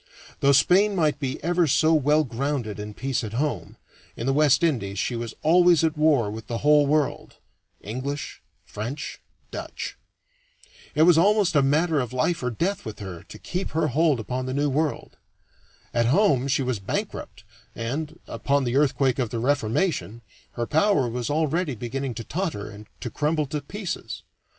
Though Spain might be ever so well grounded in peace at home, in the West Indies she was always at war with the whole world English, French, Dutch. It was almost a matter of life or death with her to keep her hold upon the New World. At home she was bankrupt and, upon the earthquake of the Reformation, her power was already beginning to totter and to crumble to pieces.